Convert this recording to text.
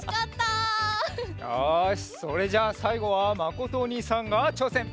よしそれじゃあさいごはまことおにいさんがちょうせん！